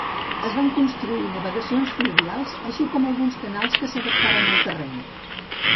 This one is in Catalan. Es van construir navegacions fluvials, així com alguns canals que d"adaptaven al terreny.